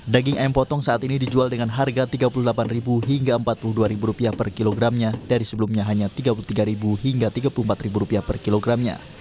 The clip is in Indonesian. daging ayam potong saat ini dijual dengan harga rp tiga puluh delapan hingga rp empat puluh dua per kilogramnya dari sebelumnya hanya rp tiga puluh tiga hingga rp tiga puluh empat per kilogramnya